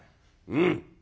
うん。